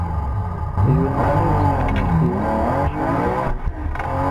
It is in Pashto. د ژوندانه ونه دي شنډه پاته